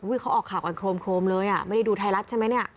เขาออกข่าวกันโครมเลยอ่ะไม่ได้ดูไทยรัฐใช่ไหมเนี่ย